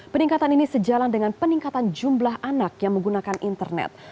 peningkatan ini sejalan dengan peningkatan jumlah anak yang menggunakan internet